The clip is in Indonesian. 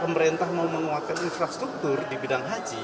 pemerintah mau menguatkan infrastruktur di bidang haji